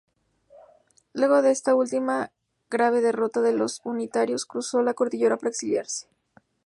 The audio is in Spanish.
Luego de esta última, grave derrota de los unitarios, cruzó la cordillera para exiliarse.